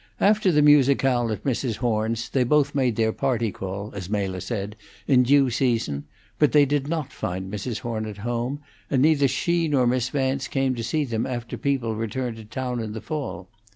After the musicale at Mrs. Horn's, they both made their party call, as Mela said, in due season; but they did not find Mrs. Horn at home, and neither she nor Miss Vance came to see them after people returned to town in the fall.